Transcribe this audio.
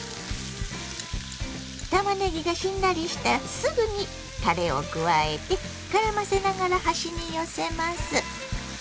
たまねぎがしんなりしたらすぐにたれを加えてからませながら端に寄せます。